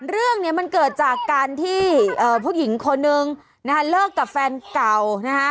เรื่องนี้มันเกิดจากการที่ผู้หญิงคนนึงนะฮะเลิกกับแฟนเก่านะฮะ